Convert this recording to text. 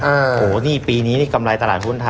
โอ้โฮนี่ปีนี้กำไรตลาดทุน